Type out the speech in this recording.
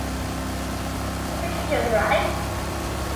Does it feel right?